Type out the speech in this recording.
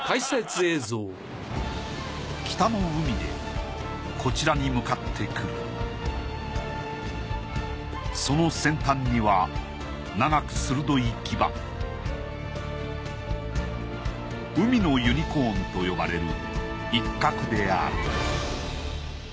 北の海でこちらに向かってくるその先端には長く鋭い牙海のユニコーンと呼ばれるイッカクである。